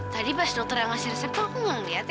tadi pas dokter yang ngasih resepnya aku gak ngelihat ya